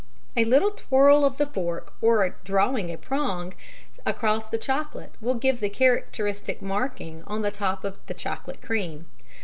A little twirl of the fork or drawing a prong across the chocolate will give the characteristic marking on the top of the chocolate creme.